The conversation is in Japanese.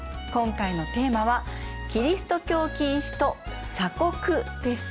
今回のテーマは「キリスト教禁止と鎖国」です。